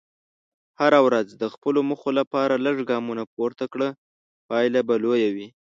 هره ورځ د خپلو موخو لپاره لږ ګامونه پورته کړه، پایله به لویه وي.